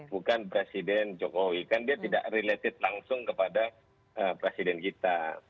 bukan presiden jokowi kan dia tidak related langsung kepada presiden kita